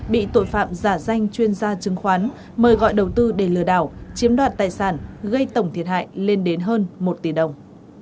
bị tội phạm giả danh chuyên gia chứng khoán mời gọi đầu tư để lừa đảo chiếm đoạt tài sản gây tổng thiệt hại lên đến hơn một tỷ đồng